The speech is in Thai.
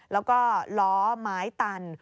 แล้วก็ล้อไม้ตัน